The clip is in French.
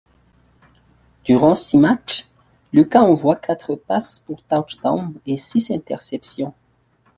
Durant six matchs, Lucas envoie quatre passe pour touchdown et six interceptions.